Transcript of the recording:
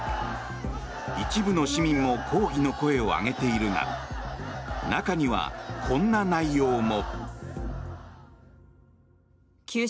一部の市民も抗議の声を上げているが中には、こんな内容も。